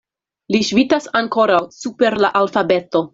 Li ŝvitas ankoraŭ super la alfabeto.